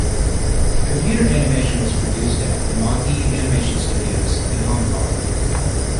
Computer animation was produced at Imagi Animation Studios, in Hong Kong.